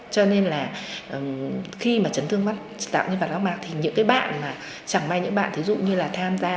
cho nên là khi mà chấn thương mắt tạo nên vạc xác bạc thì những cái bạn chẳng may những bạn thí dụ như là tham gia